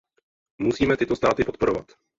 Musíme tyto státy podporovat.